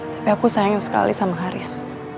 tapi aku sayang sekali sama haris